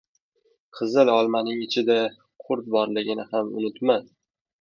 • Qizil olmaning ichida qurt borligini ham unutma.